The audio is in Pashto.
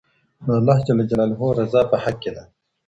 د الله رضا په حق کي ده.